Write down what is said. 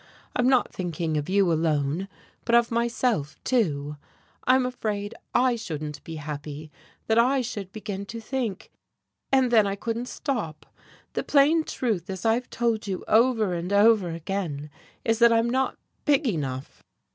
I'm not thinking of you alone, but of myself, too. I'm afraid I shouldn't be happy, that I should begin to think and then I couldn't stop. The plain truth, as I've told you over and over again, is that I'm not big enough."